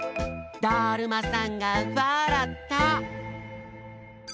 だるまさんがわらった！